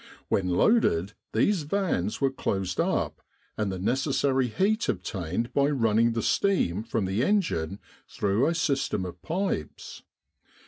When loaded, these vans were closed up, and the necessary heat obtained by running the steam from the engine through a system of pipes.